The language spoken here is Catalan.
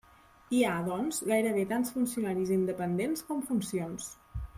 Hi ha, doncs, gairebé tants funcionaris independents com funcions.